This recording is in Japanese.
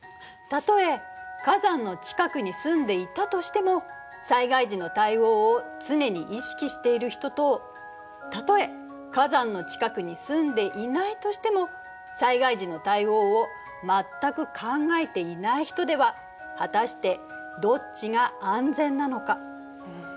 たとえ火山の近くに住んでいたとしても災害時の対応を常に意識している人とたとえ火山の近くに住んでいないとしても災害時の対応を全く考えていない人では果たしてどっちが安全なのか。